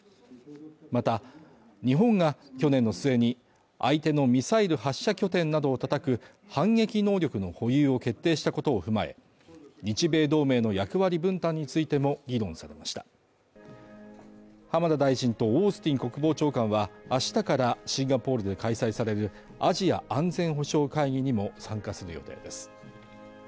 また、日本が去年の末に相手のミサイル発射拠点などを叩く反撃能力の保有を決定したことを踏まえ、日米同盟の役割分担についても議論されました浜田大臣とオースティン国防長官は、明日からシンガポールで開催されるアジア安全保障会議にも参加する予定です。